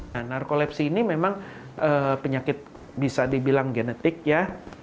nah narkolepsi ini memang penyakit bisa dibilang genetik ya